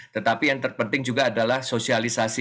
tetapi yang terpenting juga adalah sosialisasi